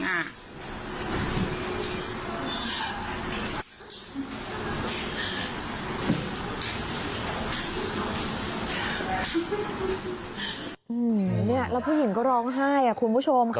เนี่ยแล้วผู้หญิงก็ร้องไห้คุณผู้ชมค่ะ